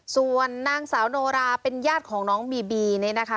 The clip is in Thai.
ส่วนนางสาวโนราเป็นญาติของน้องบีบีเนี่ยนะคะ